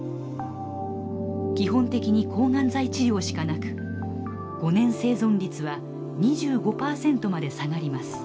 基本的に抗がん剤治療しかなく５年生存率は２５％まで下がります。